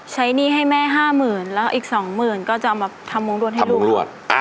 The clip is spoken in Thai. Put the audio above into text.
ใช้หนี้ให้แม่๕๐๐๐๐แล้วอีก๒๐๐๐๐ก็จะเอามาทำมุมรวดให้ลูกค่ะ